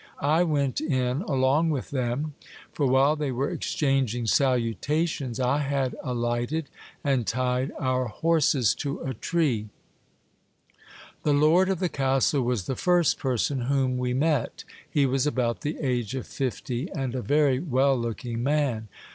I went in along with them ; for while they were exchang ing salutations, I had alighted and tied our horses to a tree. The lord of the castle was the first person whom we met He was about the age of fifty, and a very well looking man.